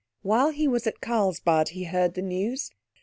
While he was at Carlsbad he heard the news.